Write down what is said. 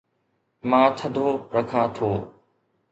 مان ٿڌو رکان ٿو